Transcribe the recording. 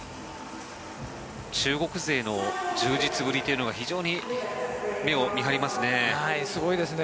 中国勢の充実ぶりというのが非常に目を見張りますね。